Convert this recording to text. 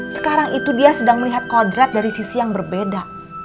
sekarang itu dia sedang melihat kodrat dari sisi yang berbeda